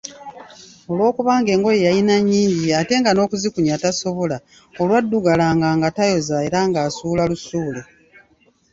Olwokuba engoye yalina nyingi ate nga n'okuzikunya tasobola olwaddugalanga nga tayoza era ng'asuula lusuule.